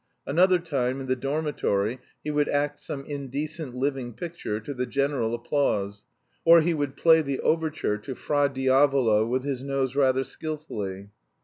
Another time, in the dormitory, he would act some indecent living picture, to the general applause, or he would play the overture to "Fra Diavolo" with his nose rather skilfully.